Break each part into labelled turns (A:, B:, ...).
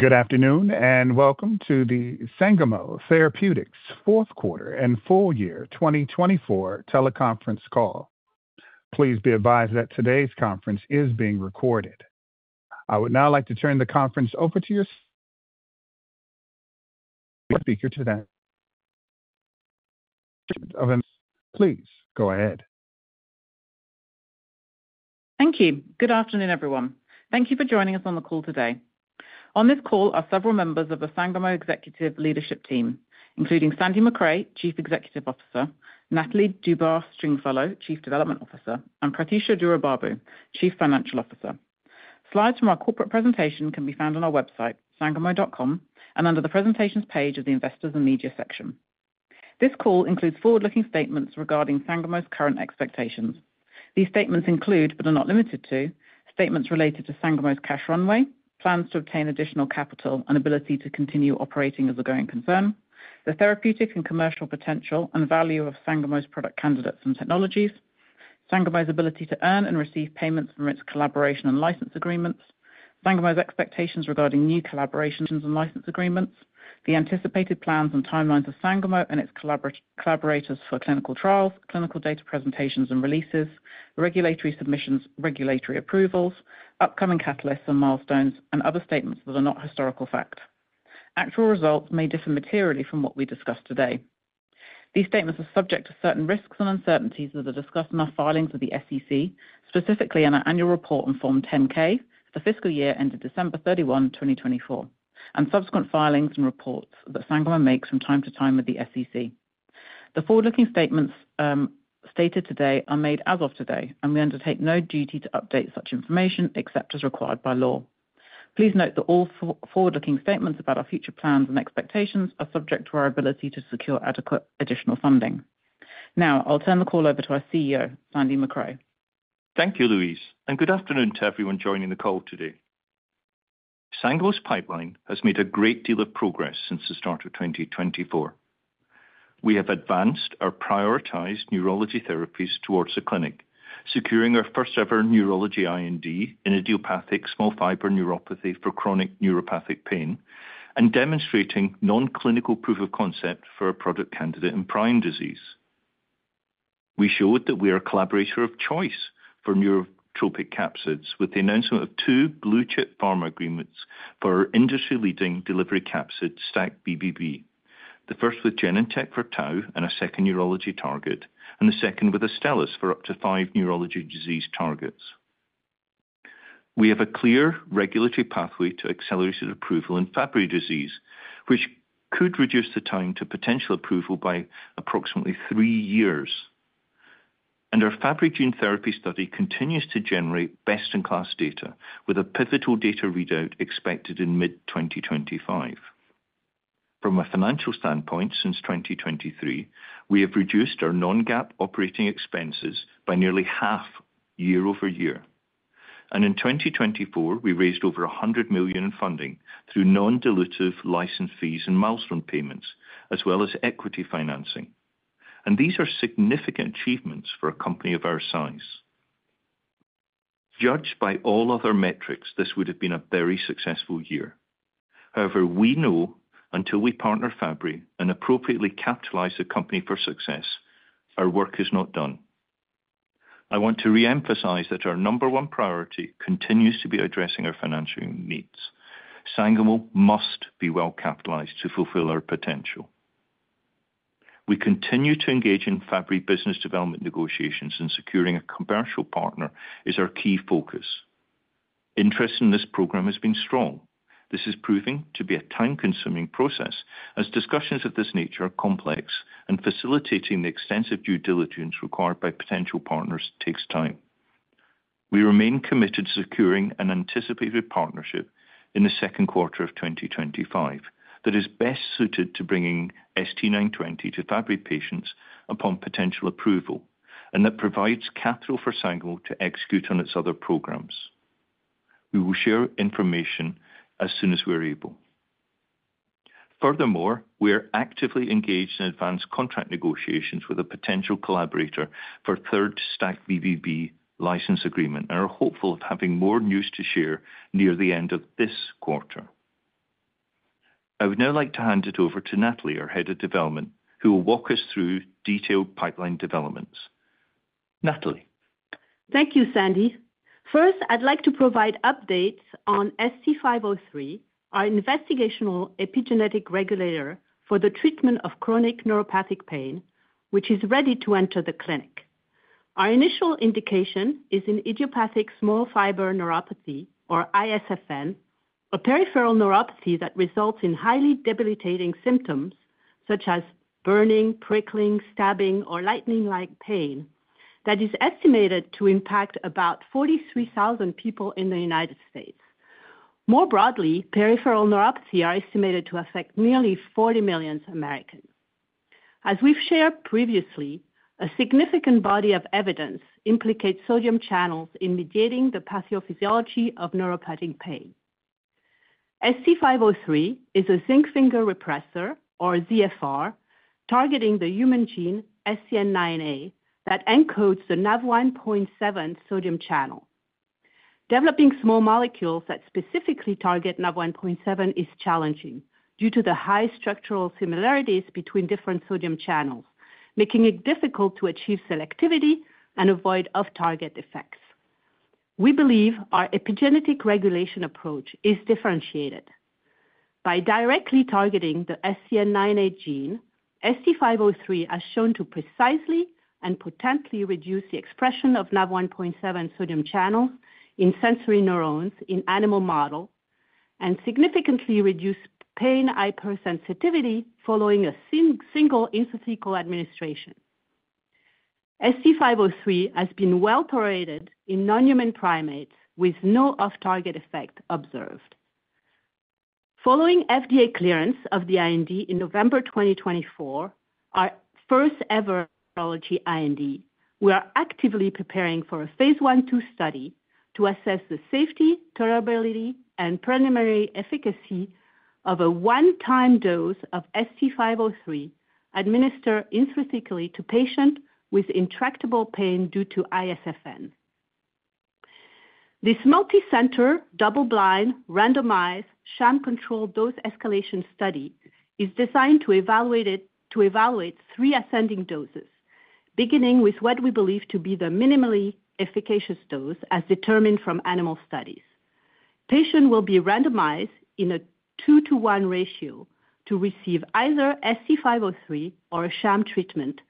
A: Good afternoon and welcome to the Sangamo Therapeutics fourth quarter and full year 2024 teleconference call. Please be advised that today's conference is being recorded. I would now like to turn the conference over to your speaker. [inaudible] Please go ahead.
B: Thank you. Good afternoon, everyone. Thank you for joining us on the call today. On this call are several members of the Sangamo Executive Leadership Team, including Sandy Macrae, Chief Executive Officer, Nathalie Dubois-Stringfellow, Chief Development Officer, and Prathyusha Duraibabu, Chief Financial Officer. Slides from our corporate presentation can be found on our website, sangamo.com, and under the presentations page of the Investors and Media section. This call includes forward-looking statements regarding Sangamo's current expectations. These statements include, but are not limited to, statements related to Sangamo's cash runway, plans to obtain additional capital, and ability to continue operating as a going concern, the therapeutic and commercial potential and value of Sangamo's product candidates and technologies, Sangamo's ability to earn and receive payments from its collaboration and license agreements, Sangamo's expectations regarding new collaborations and license agreements, the anticipated plans and timelines of Sangamo and its collaborators for clinical trials, clinical data presentations and releases, regulatory submissions, regulatory approvals, upcoming catalysts and milestones, and other statements that are not historical fact. Actual results may differ materially from what we discuss today. These statements are subject to certain risks and uncertainties that are discussed in our filings with the SEC, specifically in our annual report on Form 10-K, the fiscal year ended December 31, 2024, and subsequent filings and reports that Sangamo makes from time to time with the SEC. The forward-looking statements stated today are made as of today, and we undertake no duty to update such information except as required by law. Please note that all forward-looking statements about our future plans and expectations are subject to our ability to secure adequate additional funding. Now, I'll turn the call over to our CEO, Sandy Macrae.
C: Thank you, Louise, and good afternoon to everyone joining the call today. Sangamo's pipeline has made a great deal of progress since the start of 2024. We have advanced our prioritized neurology therapies towards the clinic, securing our first-ever neurology IND in idiopathic small fiber neuropathy for chronic neuropathic pain, and demonstrating non-clinical proof of concept for a product candidate in prion disease. We showed that we are a collaborator of choice for neurotropic capsids with the announcement of two blue-chip pharma agreements for industry-leading delivery capsids, STAC-BBB, the first with Genentech for tau and a second neurology target, and the second with Astellas for up to five neurology disease targets. We have a clear regulatory pathway to accelerated approval in Fabry disease, which could reduce the time to potential approval by approximately three years. Our Fabry gene therapy study continues to generate best-in-class data with a pivotal data readout expected in mid-2025. From a financial standpoint, since 2023, we have reduced our non-GAAP operating expenses by nearly half year over year. In 2024, we raised over $100 million in funding through non-dilutive license fees and milestone payments, as well as equity financing. These are significant achievements for a company of our size. Judged by all other metrics, this would have been a very successful year. However, we know until we partner Fabry and appropriately capitalize the company for success, our work is not done. I want to re-emphasize that our number one priority continues to be addressing our financial needs. Sangamo must be well capitalized to fulfill our potential. We continue to engage in Fabry business development negotiations, and securing a commercial partner is our key focus. Interest in this program has been strong. This is proving to be a time-consuming process, as discussions of this nature are complex, and facilitating the extensive due diligence required by potential partners takes time. We remain committed to securing an anticipated partnership in the second quarter of 2025 that is best suited to bringing ST-920 to Fabry patients upon potential approval, and that provides capital for Sangamo to execute on its other programs. We will share information as soon as we're able. Furthermore, we are actively engaged in advanced contract negotiations with a potential collaborator for third STAC-BBB license agreement and are hopeful of having more news to share near the end of this quarter. I would now like to hand it over to Nathalie, our Head of Development, who will walk us through detailed pipeline developments. Nathalie.
D: Thank you, Sandy. First, I'd like to provide updates on ST-503, our investigational epigenetic regulator for the treatment of chronic neuropathic pain, which is ready to enter the clinic. Our initial indication is in idiopathic small fiber neuropathy, or ISFN, a peripheral neuropathy that results in highly debilitating symptoms such as burning, prickling, stabbing, or lightning-like pain that is estimated to impact about 43,000 people in the United States. More broadly, peripheral neuropathy is estimated to affect nearly 40 million Americans. As we've shared previously, a significant body of evidence implicates sodium channels in mediating the pathophysiology of neuropathic pain. ST-503 is a zinc finger repressor, or ZFR, targeting the human gene SCN9A that encodes the NAV1.7 sodium channel. Developing small molecules that specifically target NAV1.7 is challenging due to the high structural similarities between different sodium channels, making it difficult to achieve selectivity and avoid off-target effects. We believe our epigenetic regulation approach is differentiated. By directly targeting the SCN9A gene, ST-503 has shown to precisely and potently reduce the expression of NAV1.7 sodium channels in sensory neurons in animal models, and significantly reduce pain hypersensitivity following a single intrathecal administration. ST-503 has been well tolerated in non-human primates, with no off-target effect observed. Following FDA clearance of the IND in November 2024, our first-ever neurology IND, we are actively preparing for a phase 1/2 study to assess the safety, tolerability, and preliminary efficacy of a one-time dose of ST-503 administered intrathecally to patients with intractable pain due to ISFN. This multi-center, double-blind, randomized, sham-controlled dose escalation study is designed to evaluate three ascending doses, beginning with what we believe to be the minimally efficacious dose, as determined from animal studies. Patients will be randomized in a two-to-one ratio to receive either ST-503 or a sham treatment,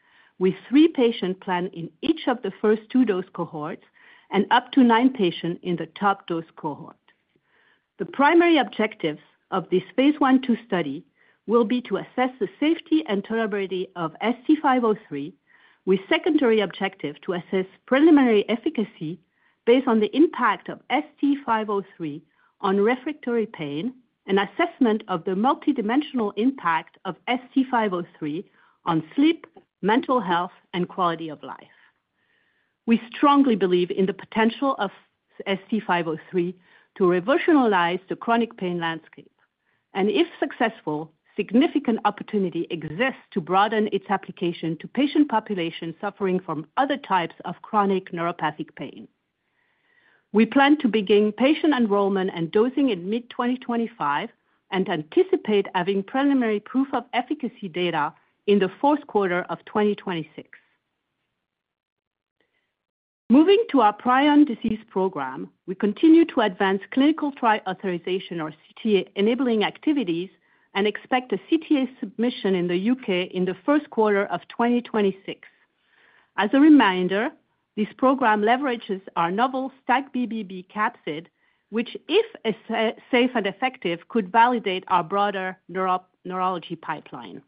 D: with three patients planned in each of the first two dose cohorts and up to nine patients in the top dose cohort. The primary objectives of this Phase 1/2 study will be to assess the safety and tolerability of ST-503, with a secondary objective to assess preliminary efficacy based on the impact of ST-503 on refractory pain and assessment of the multidimensional impact of ST-503 on sleep, mental health, and quality of life. We strongly believe in the potential of ST-503 to revolutionize the chronic pain landscape, and if successful, significant opportunity exists to broaden its application to patient populations suffering from other types of chronic neuropathic pain. We plan to begin patient enrollment and dosing in mid-2025 and anticipate having preliminary proof of efficacy data in the fourth quarter of 2026. Moving to our prion disease program, we continue to advance clinical trial authorization, or CTA, enabling activities and expect a CTA submission in the U.K. in the first quarter of 2026. As a reminder, this program leverages our novel STAC-BBB capsid, which, if safe and effective, could validate our broader neurology pipeline.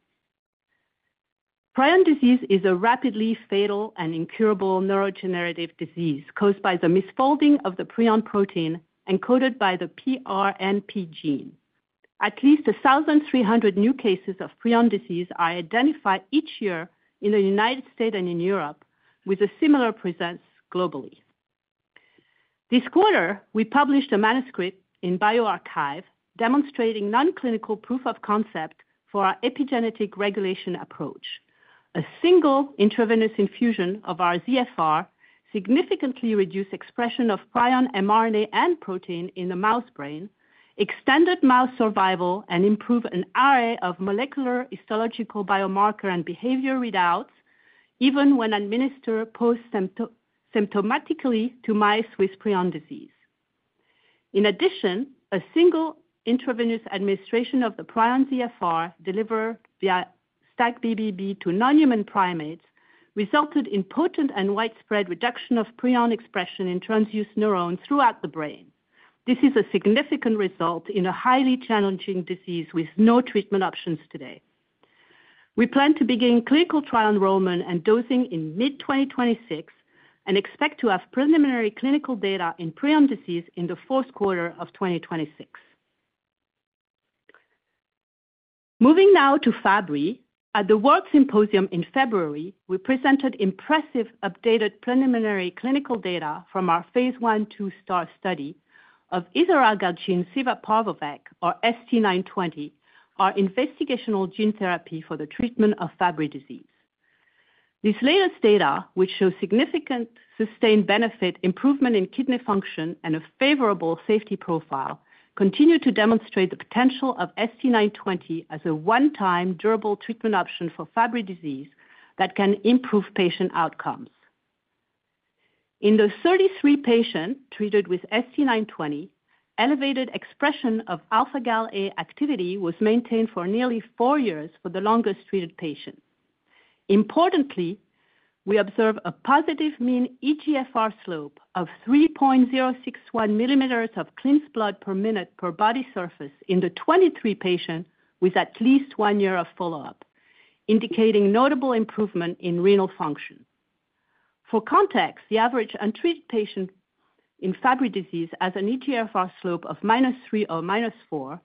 D: Prion disease is a rapidly fatal and incurable neurodegenerative disease caused by the misfolding of the prion protein encoded by the PRNP gene. At least 1,300 new cases of prion disease are identified each year in the United States and in Europe, with a similar presence globally. This quarter, we published a manuscript in BioArchive demonstrating non-clinical proof of concept for our epigenetic regulation approach. A single intravenous infusion of our ZFR significantly reduces expression of prion mRNA and protein in the mouse brain, extended mouse survival, and improved an array of molecular, histological, biomarker, and behavior readouts even when administered post-symptomatically to mice with prion disease. In addition, a single intravenous administration of the prion ZFR delivered via STAC-BBB to non-human primates resulted in potent and widespread reduction of prion expression in transduced neurons throughout the brain. This is a significant result in a highly challenging disease with no treatment options today. We plan to begin clinical trial enrollment and dosing in mid-2026 and expect to have preliminary clinical data in prion disease in the fourth quarter of 2026. Moving now to Fabry, at the World Symposium in February, we presented impressive updated preliminary clinical data from our Phase 1/2 STAAR study of isaralgagene civaparvovec, or ST-920, our investigational gene therapy for the treatment of Fabry disease. This latest data, which shows significant sustained benefit improvement in kidney function and a favorable safety profile, continues to demonstrate the potential of ST-920 as a one-time durable treatment option for Fabry disease that can improve patient outcomes. In the 33 patients treated with ST-920, elevated expression of alpha-galA activity was maintained for nearly four years for the longest treated patients. Importantly, we observed a positive mean eGFR slope of 3.061 milliliters of cleansed blood per minute per body surface in the 23 patients with at least one year of follow-up, indicating notable improvement in renal function. For context, the average untreated patient in Fabry disease has an eGFR slope of minus three or minus four,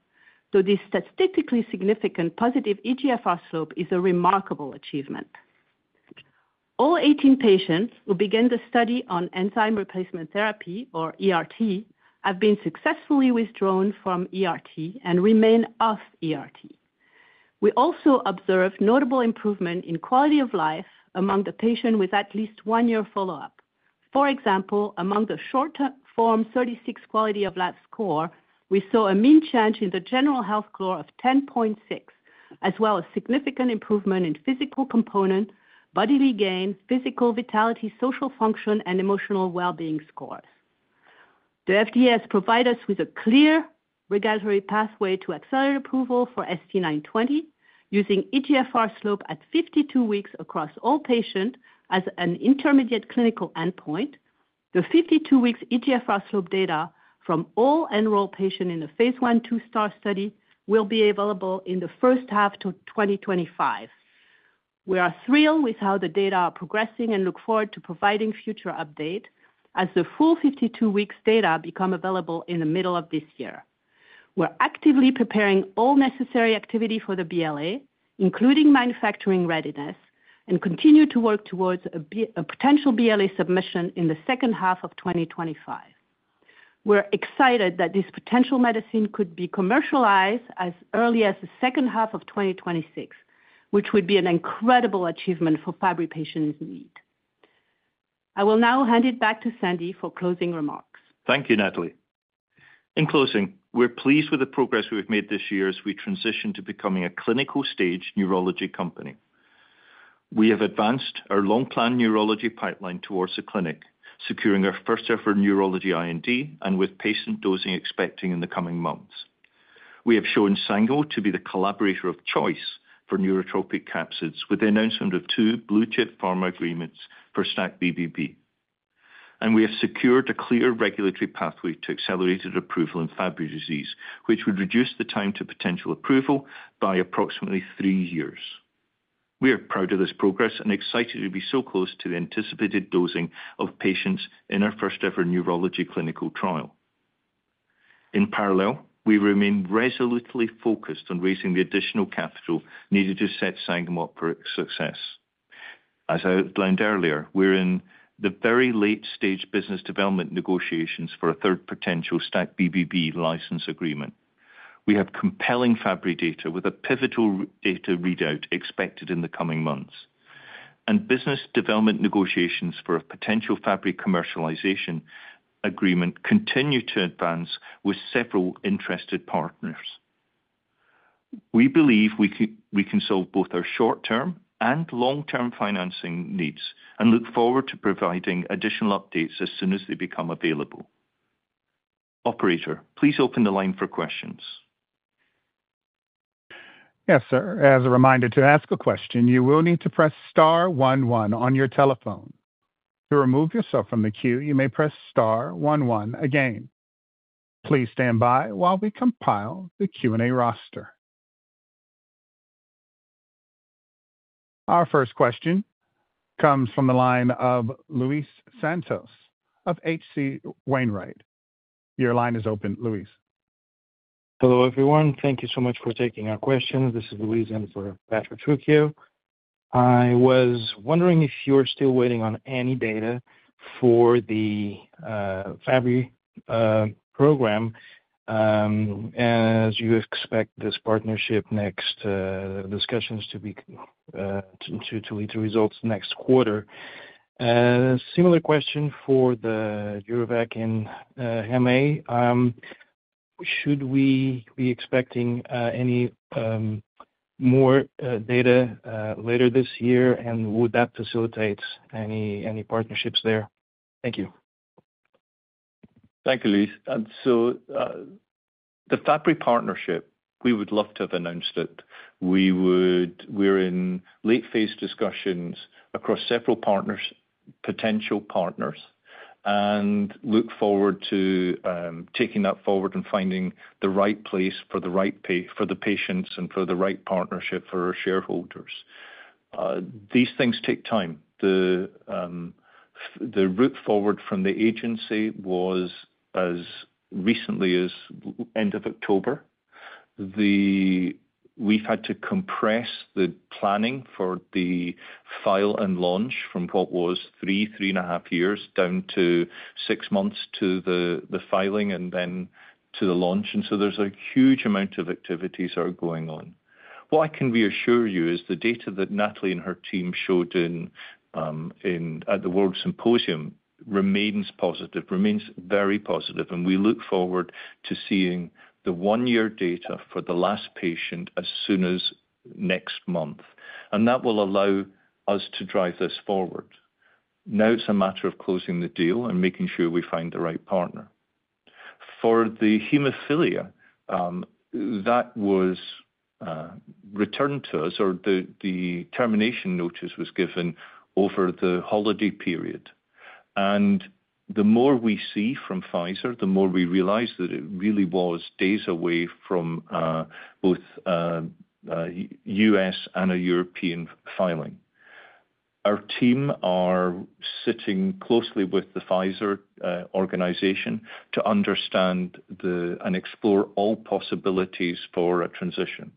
D: though this statistically significant positive eGFR slope is a remarkable achievement. All 18 patients who began the study on enzyme replacement therapy, or ERT, have been successfully withdrawn from ERT and remain off ERT. We also observed notable improvement in quality of life among the patients with at least one year follow-up. For example, among the short-form 36 quality of life score, we saw a mean change in the general health score of 10.6, as well as significant improvement in physical component, bodily pain, physical vitality, social function, and emotional well-being scores. The FDA has provided us with a clear regulatory pathway to accelerate approval for ST-920 using eGFR slope at 52 weeks across all patients as an intermediate clinical endpoint. The 52-week eGFR slope data from all enrolled patients in the phase 1/2 study will be available in the first half of 2025. We are thrilled with how the data are progressing and look forward to providing future updates as the full 52-week data becomes available in the middle of this year. We're actively preparing all necessary activity for the BLA, including manufacturing readiness, and continue to work towards a potential BLA submission in the second half of 2025. We're excited that this potential medicine could be commercialized as early as the second half of 2026, which would be an incredible achievement for Fabry patients in need. I will now hand it back to Sandy for closing remarks.
C: Thank you, Nathalie. In closing, we're pleased with the progress we've made this year as we transition to becoming a clinical-stage neurology company. We have advanced our long-planned neurology pipeline towards the clinic, securing our first-ever neurology IND and with patient dosing expected in the coming months. We have shown Sangamo to be the collaborator of choice for neurotropic capsids with the announcement of two blue-chip pharma agreements for STAC-BBB. We have secured a clear regulatory pathway to accelerated approval in Fabry disease, which would reduce the time to potential approval by approximately three years. We are proud of this progress and excited to be so close to the anticipated dosing of patients in our first-ever neurology clinical trial. In parallel, we remain resolutely focused on raising the additional capital needed to set Sangamo up for success. As I outlined earlier, we're in the very late-stage business development negotiations for a third potential STAC-BBB license agreement. We have compelling Fabry data with a pivotal data readout expected in the coming months. Business development negotiations for a potential Fabry commercialization agreement continue to advance with several interested partners. We believe we can solve both our short-term and long-term financing needs and look forward to providing additional updates as soon as they become available. Operator, please open the line for questions.
A: Yes, sir. As a reminder to ask a question, you will need to press star one one on your telephone. To remove yourself from the queue, you may press star one one again. Please stand by while we compile the Q&A roster. Our first question comes from the line of Luis Santos of H.C. Wainwright. Your line is open, Luis.
E: Hello, everyone. Thank you so much for taking our questions. This is Luis and for Patrick Trujillo. I was wondering if you're still waiting on any data for the Fabry program. As you expect this partnership, next discussions to lead to results next quarter. Similar question for the Jurevac and MAA. Should we be expecting any more data later this year, and would that facilitate any partnerships there? Thank you.
C: Thank you, Luis. The Fabry partnership, we would love to have announced it. We're in late-phase discussions across several potential partners and look forward to taking that forward and finding the right place for the right patients and for the right partnership for our shareholders. These things take time. The route forward from the agency was as recently as end of October. We've had to compress the planning for the file and launch from what was three, three and a half years down to six months to the filing and then to the launch. There is a huge amount of activities that are going on. What I can reassure you is the data that Nathalie and her team showed at the World Symposium remains positive, remains very positive. We look forward to seeing the one-year data for the last patient as soon as next month. That will allow us to drive this forward. Now it's a matter of closing the deal and making sure we find the right partner. For the hemophilia, that was returned to us, or the termination notice was given over the holiday period. The more we see from Pfizer, the more we realize that it really was days away from both U.S. and a European filing. Our team are sitting closely with the Pfizer organization to understand and explore all possibilities for a transition.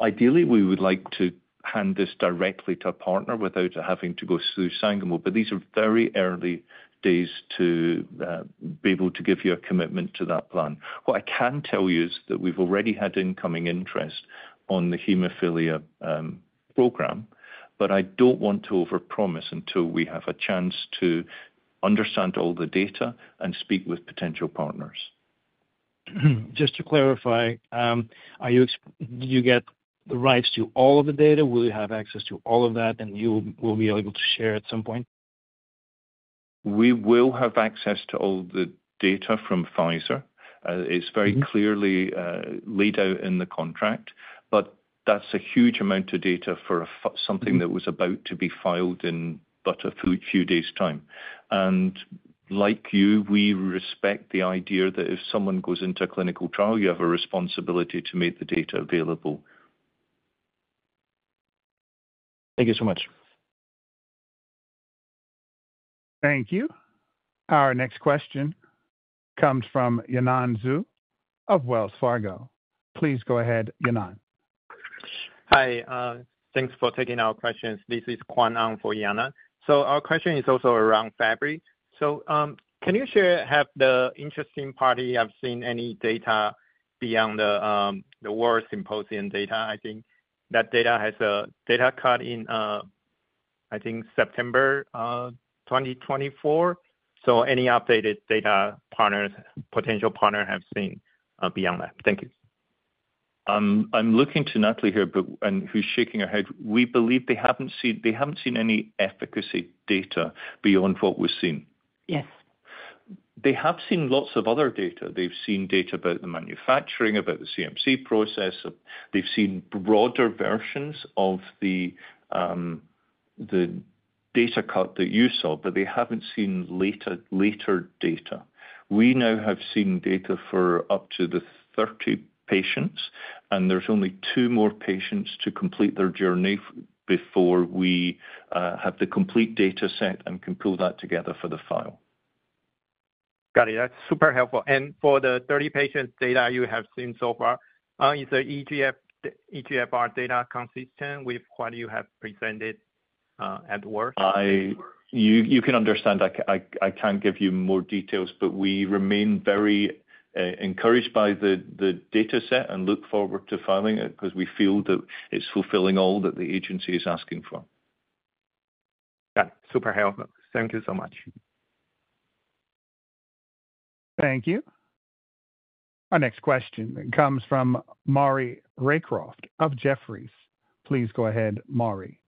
C: Ideally, we would like to hand this directly to a partner without having to go through Sangamo, but these are very early days to be able to give you a commitment to that plan. What I can tell you is that we've already had incoming interest on the hemophilia program, but I don't want to overpromise until we have a chance to understand all the data and speak with potential partners.
E: Just to clarify, did you get the rights to all of the data? Will you have access to all of that, and you will be able to share at some point?
C: We will have access to all the data from Pfizer. It is very clearly laid out in the contract, but that is a huge amount of data for something that was about to be filed in but a few days' time. Like you, we respect the idea that if someone goes into a clinical trial, you have a responsibility to make the data available.
E: Thank you so much.
A: Thank you. Our next question comes from Yanan Zhu of Wells Fargo. Please go ahead, Yanan.
F: Hi. Thanks for taking our questions. This is Quan An for Yanan. Our question is also around Fabry. Can you share if the interested party has seen any data beyond the World Symposium data? I think that data has a data cut in, I think, September 2024. Has any updated data potential partner have seen beyond that? Thank you.
C: I'm looking to Nathalie here, and who's shaking her head. We believe they haven't seen any efficacy data beyond what we've seen.
D: Yes.
C: They have seen lots of other data. They've seen data about the manufacturing, about the CMC process. They've seen broader versions of the data cut that you saw, but they haven't seen later data. We now have seen data for up to 30 patients, and there's only two more patients to complete their journey before we have the complete data set and can pull that together for the file.
F: Got it. That's super helpful. For the 30 patients' data you have seen so far, is the eGFR data consistent with what you have presented at Wells Fargo?
C: You can understand. I can't give you more details, but we remain very encouraged by the data set and look forward to filing it because we feel that it's fulfilling all that the agency is asking for.
F: Got it. Super helpful. Thank you so much.
A: Thank you. Our next question comes from Maury Raycroft of Jefferies. Please go ahead, Maury.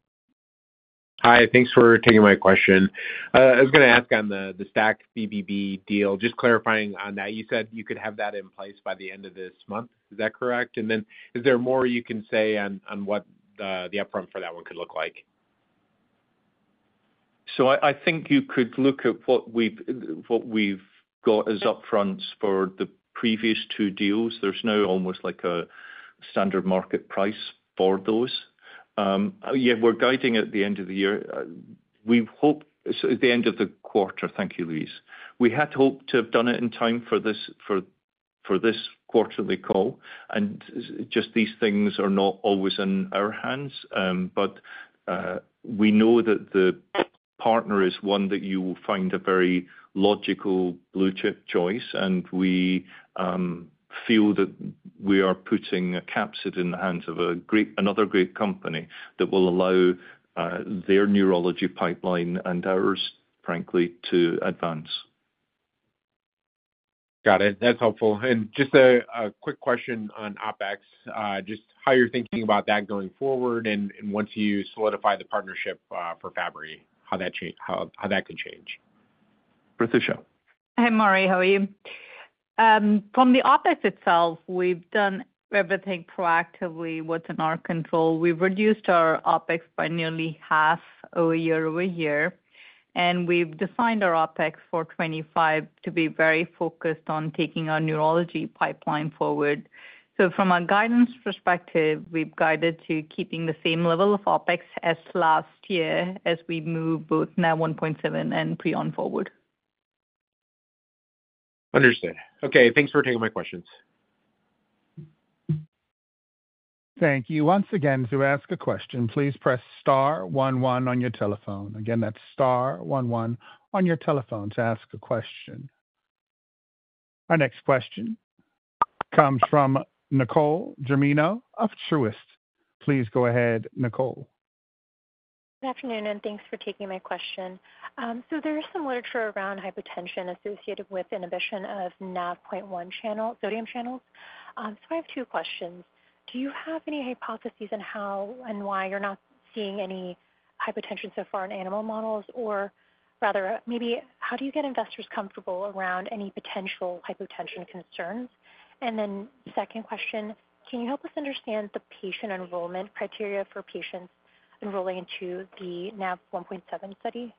G: Hi. Thanks for taking my question. I was going to ask on the STAC-BBB deal, just clarifying on that. You said you could have that in place by the end of this month. Is that correct? Is there more you can say on what the upfront for that one could look like?
C: I think you could look at what we've got as upfronts for the previous two deals. There's no almost like a standard market price for those. Yeah, we're guiding at the end of the year. We hope at the end of the quarter. Thank you, Luis. We had hoped to have done it in time for this quarterly call. These things are not always in our hands, but we know that the partner is one that you will find a very logical blue-chip choice. We feel that we are putting a capsule in the hands of another great company that will allow their neurology pipeline and ours, frankly, to advance.
G: Got it. That's helpful. Just a quick question on OpEx, just how you're thinking about that going forward and once you solidify the partnership for Fabry, how that could change.
H: Hey, Maury. How are you?
D: From the OpEx itself, we've done everything proactively that's in our control. We've reduced our OpEx by nearly half year over year. We've designed our OpEx for 2025 to be very focused on taking our neurology pipeline forward. From a guidance perspective, we've guided to keeping the same level of OpEx as last year as we move both NAV1.7 and prion forward.
G: Understood. Okay. Thanks for taking my questions.
A: Thank you. Once again, to ask a question, please press star one one on your telephone. Again, that's star one one on your telephone to ask a question. Our next question comes from Nicole Germino of Truist. Please go ahead, Nicole.
I: Good afternoon, and thanks for taking my question. There is some literature around hypertension associated with inhibition of NAV1.7 sodium channels. I have two questions. Do you have any hypotheses on how and why you're not seeing any hypertension so far in animal models, or rather maybe how do you get investors comfortable around any potential hypertension concerns? Second question, can you help us understand the patient enrollment criteria for patients enrolling into the NAV1.7 study?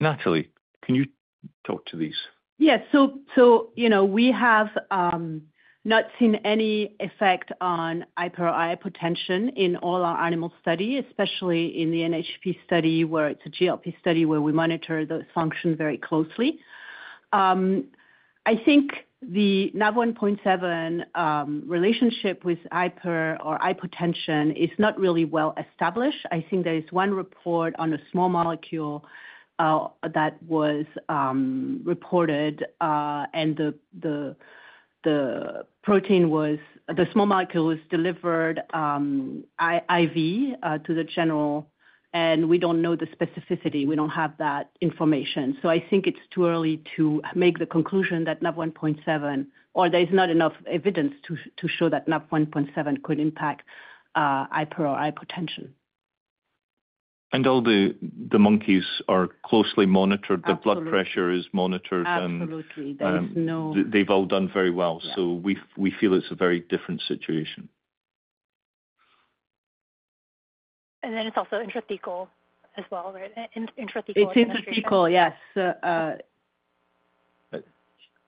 C: Nathalie, can you talk to these?
D: Yes. We have not seen any effect on hyper or hypotension in all our animal studies, especially in the NHP study where it is a GLP study where we monitor those functions very closely. I think the NAV1.7 relationship with hyper or hypotension is not really well established. I think there is one report on a small molecule that was reported, and the small molecule was delivered IV to the general, and we do not know the specificity. We do not have that information. I think it is too early to make the conclusion that NAV1.7, or there is not enough evidence to show that NAV1.7 could impact hyper or hypotension.
C: All the monkeys are closely monitored. Their blood pressure is monitored.
D: Absolutely. There is no.
C: They've all done very well. We feel it's a very different situation.
I: It's also intrathecal as well, right? Intrathecal.
D: It's intrathecal, yes.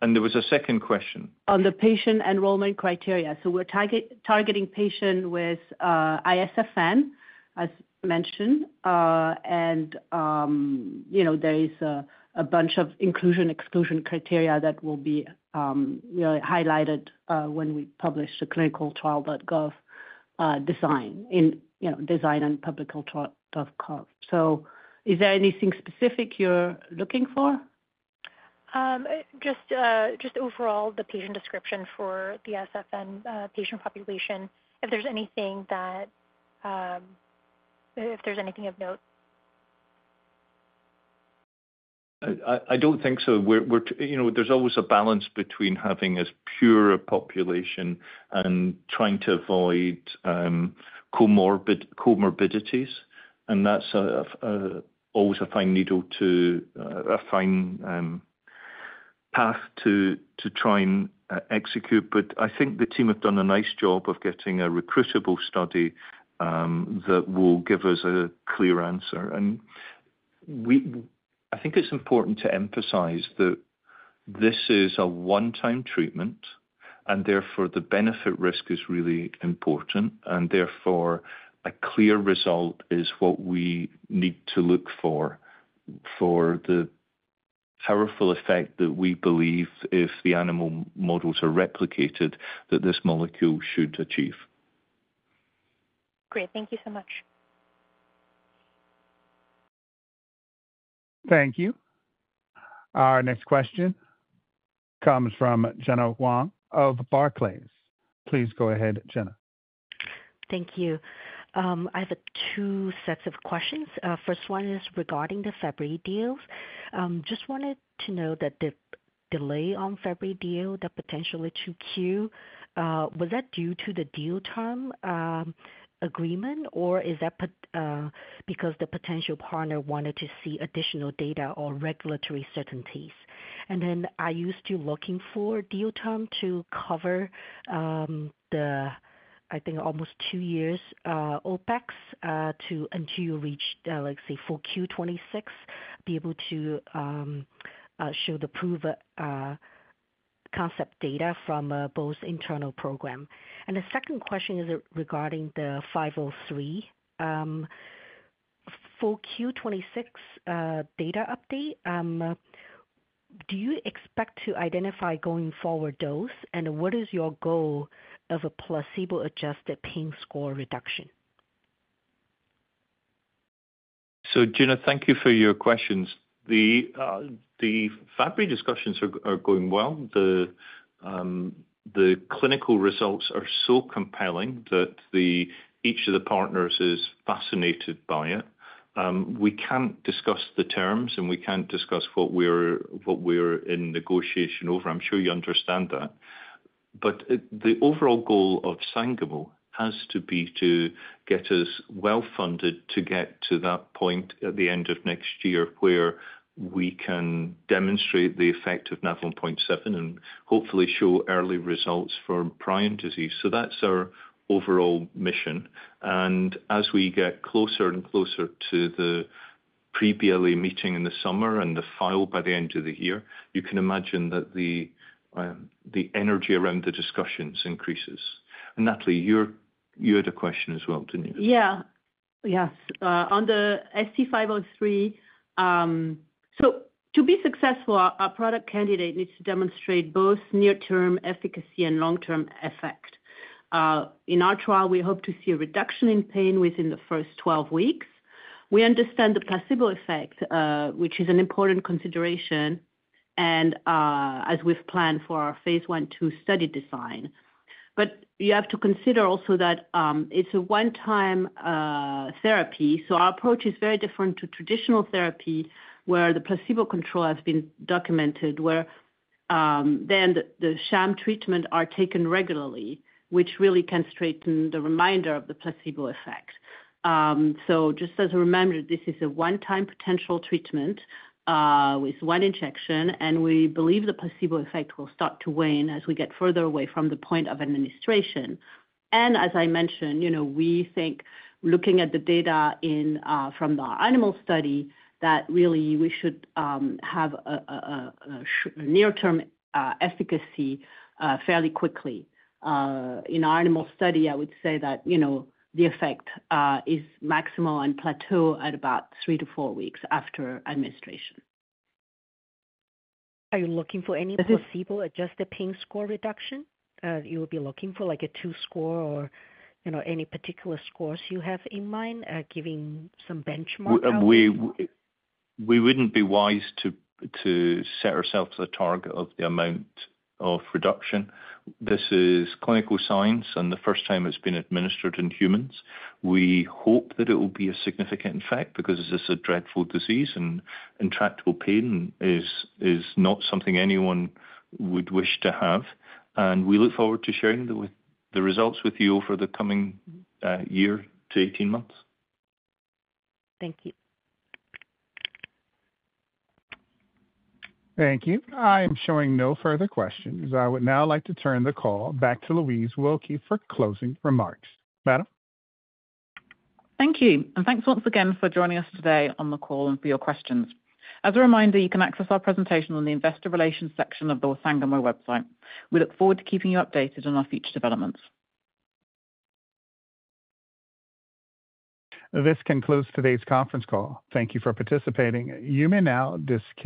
C: There was a second question.
D: On the patient enrollment criteria. We're targeting patients with ISFN, as mentioned. There is a bunch of inclusion-exclusion criteria that will be highlighted when we publish the clinicaltrials.gov design and clinicaltrials.gov. Is there anything specific you're looking for?
I: Just overall, the patient description for the ISFN patient population, if there's anything that, if there's anything of note.
C: I don't think so. There's always a balance between having as pure a population and trying to avoid comorbidities. That's always a fine needle to a fine path to try and execute. I think the team have done a nice job of getting a recruitable study that will give us a clear answer. I think it's important to emphasize that this is a one-time treatment, and therefore the benefit-risk is really important. Therefore, a clear result is what we need to look for for the powerful effect that we believe if the animal models are replicated that this molecule should achieve.
I: Great. Thank you so much.
A: Thank you. Our next question comes from Gena Wang of Barclays. Please go ahead, Jenna.
J: Thank you. I have two sets of questions. First one is regarding the Fabry deals. Just wanted to know that the delay on Fabry deal, the potential to queue, was that due to the deal term agreement, or is that because the potential partner wanted to see additional data or regulatory certainties? Are you still looking for deal term to cover the, I think, almost two years OpEx until you reach, let's say, full Q2 2026, be able to show the proof concept data from both internal program? The second question is regarding the 503. For Q2 2026 data update, do you expect to identify going forward dose? What is your goal of a placebo-adjusted pain score reduction?
C: Gena, thank you for your questions. The Fabry discussions are going well. The clinical results are so compelling that each of the partners is fascinated by it. We can't discuss the terms, and we can't discuss what we're in negotiation over. I'm sure you understand that. The overall goal of Sangamo has to be to get us well funded to get to that point at the end of next year where we can demonstrate the effect of NAV1.7 and hopefully show early results for prion disease. That's our overall mission. As we get closer and closer to the pre-BLA meeting in the summer and the file by the end of the year, you can imagine that the energy around the discussions increases. Nathalie, you had a question as well, didn't you?
D: Yeah. Yes. On the ST-503, to be successful, our product candidate needs to demonstrate both near-term efficacy and long-term effect. In our trial, we hope to see a reduction in pain within the first 12 weeks. We understand the placebo effect, which is an important consideration, as we've planned for our phase one two study design. You have to consider also that it's a one-time therapy. Our approach is very different to traditional therapy where the placebo control has been documented, where then the sham treatment is taken regularly, which really can strengthen the reminder of the placebo effect. Just as a reminder, this is a one-time potential treatment with one injection, and we believe the placebo effect will start to wane as we get further away from the point of administration. As I mentioned, we think, looking at the data from the animal study, that really we should have a near-term efficacy fairly quickly. In our animal study, I would say that the effect is maximal and plateaus at about three to four weeks after administration.
J: Are you looking for any placebo-adjusted pain score reduction? You will be looking for like a two score or any particular scores you have in mind, giving some benchmark?
C: We would not be wise to set ourselves a target of the amount of reduction. This is clinical science, and the first time it has been administered in humans. We hope that it will be a significant effect because this is a dreadful disease, and intractable pain is not something anyone would wish to have. We look forward to sharing the results with you over the coming year to 18 months.
J: Thank you.
A: Thank you. I am showing no further questions. I would now like to turn the call back to Louise Wilkie for closing remarks. Madam?
B: Thank you. Thanks once again for joining us today on the call and for your questions. As a reminder, you can access our presentation on the investor relations section of the Sangamo website. We look forward to keeping you updated on our future developments.
A: This concludes today's conference call. Thank you for participating. You may now disconnect.